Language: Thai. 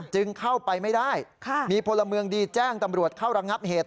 จึงเข้าไปไม่ได้มีพลเมืองดีแจ้งตำรวจเข้าระงับเหตุ